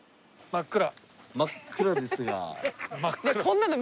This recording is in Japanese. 真っ暗。